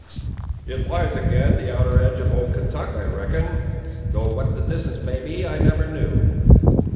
"It lies ag'in the outer edge of old Kentuck, I reckon; though what the distance may be I never knew."